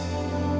dan kamu alena